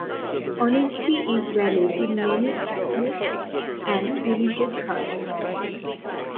Honesty is valued in many ethnic and religious cultures.